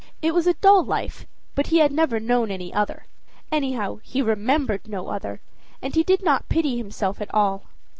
It was a dull life, but he had never known any other; anyhow, he remembered no other, and he did not pity himself at all.